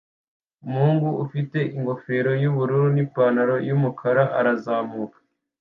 Umuhungu ufite ingofero yubururu nipantaro yumukara arazamuka